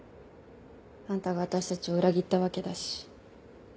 あんたが私たちを裏切ったわけだし。